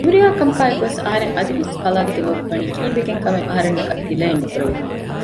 މި ހުރިހާ ކަމަކާއެކުވެސް އަހަރެން އަދިވެސް ކަލާދެކެ ލޯބި ވަނީ ކީއްވެގެން ކަމެއް އަހަރެންނަކަށް ތިލައެއް ނުކުރެވެ